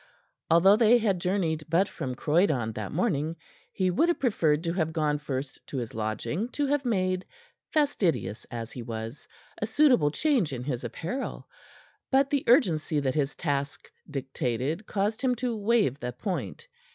Although they had journeyed but from Croydon that morning, he would have preferred to have gone first to his lodging to have made fastidious as he was a suitable change in his apparel. But the urgency that his task dictated caused him to waive the point.